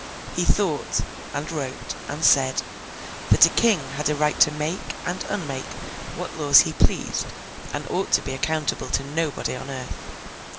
He thought, and wrote, and said, that a king had a right to make and unmake what laws he pleased, and ought to be accountable to nobody on earth.